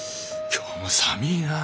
今日も寒いな。